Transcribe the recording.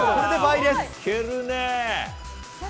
いけるねぇ。